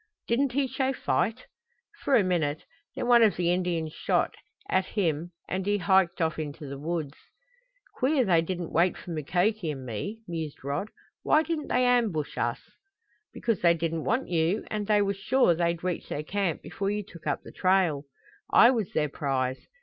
"Didn't he show fight?" "For a minute. Then one of the Indians shot, at him and he hiked off into the woods." "Queer they didn't wait for Mukoki and me," mused Rod. "Why didn't they ambush us?" "Because they didn't want you, and they were sure they'd reach their camp before you took up the trail. I was their prize.